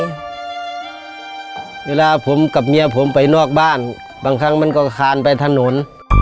เวลาผมกับเมียผมไปนอกบ้านบางครั้งมันก็คานไปถนน